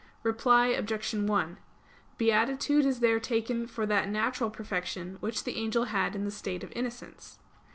Reply Obj. 1: Beatitude is there taken for that natural perfection which the angel had in the state of innocence.